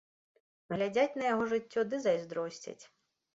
Глядзяць на яго жыццё ды зайздросцяць.